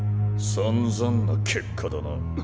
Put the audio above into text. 散々な結果だな。